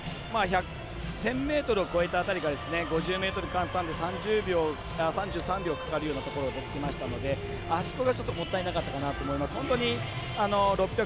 １０００ｍを超えた辺りから５０ｍ換算で３３秒かかるようなところ出てましたのであそこが、ちょっともったいなかったかなと思います。